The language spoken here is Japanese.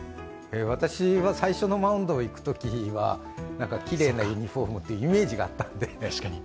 私は最初のマウンドへ行くときはきれいなユニフォームっていうイメージがあったんで。